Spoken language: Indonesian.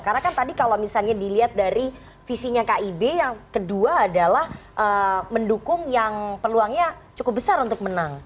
karena kan tadi kalau misalnya dilihat dari visinya kib yang kedua adalah mendukung yang peluangnya cukup besar untuk menang